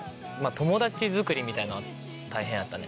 友達づくりみたいなの大変やったね。